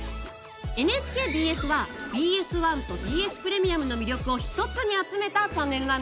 ＮＨＫＢＳはＢＳ１とＢＳプレミアムの魅力を一つに集めたチャンネルなんです。